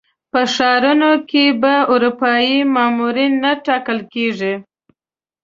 په ښارونو کې به اروپایي مامورین نه ټاکل کېږي.